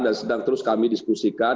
dan sedang terus kami diskusikan